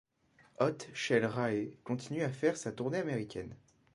Hot Chelle Rae continue à faire sa tournée américaine.